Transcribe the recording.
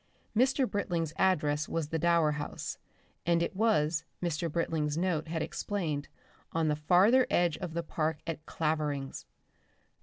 Mr. Britling's address was the Dower House, and it was, Mr. Britling's note had explained, on the farther edge of the park at Claverings.